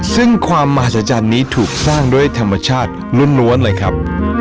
ซึ่งความมหาศจรรย์นี้ถูกสร้างด้วยธรรมชาติล้วนเลยครับ